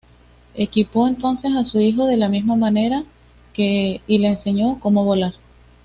Equipó entonces a su hijo de la misma manera y le enseñó cómo volar.